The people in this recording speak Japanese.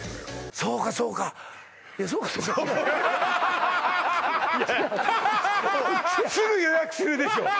そうかそうか違う違うすぐ予約するでしょ